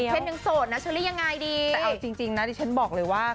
คุณตาเขามีโซดแล้ว